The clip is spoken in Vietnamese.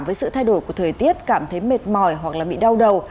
với sự thay đổi của thời tiết cảm thấy mệt mỏi hoặc bị đau đầu